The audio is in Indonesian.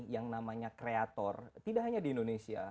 yang namanya kreator tidak hanya di indonesia